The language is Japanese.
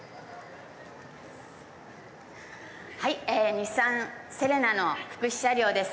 日産セレナの福祉車両です。